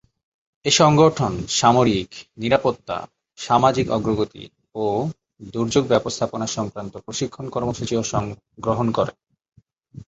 এ সংগঠন সামরিক, নিরাপত্তা, সামাজিক অগ্রগতি ও দুর্যোগ ব্যবস্থাপনা সংক্রান্ত প্রশিক্ষণ কর্মসূচিও গ্রহণ করে।